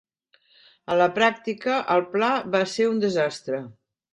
A la pràctica, el pla va ser un desastre.